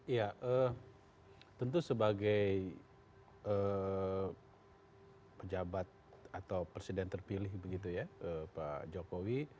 ya tentu sebagai pejabat atau presiden terpilih pak jokowi